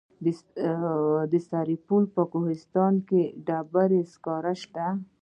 د سرپل په کوهستان کې د ډبرو سکاره شته.